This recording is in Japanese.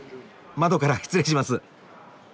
窓から失礼します。